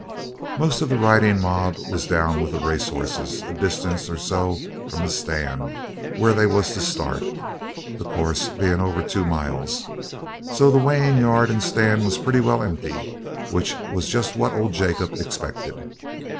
Most of the riding mob was down with the racehorses, a distance or so from the stand, where they was to start, the course being over two miles. So the weighing yard and stand was pretty well empty, which was just what old Jacob expected.